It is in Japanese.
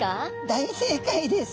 大正解です。